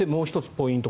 ポイント